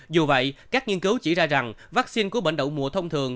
dù vậy các nghiên cứu chỉ ra rằng vaccine của bệnh đậu mùa thông thường